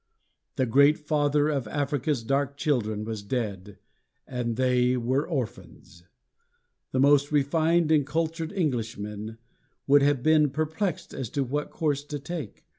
The great father of Africa's dark children was dead, and they were orphans. The most refined and cultured Englishmen would have been perplexed as to what course to take.